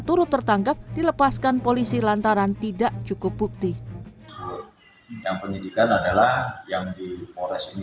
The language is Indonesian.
turut tertangkap dilepaskan polisi lantaran tidak cukup bukti yang penyidikan adalah yang di polres ini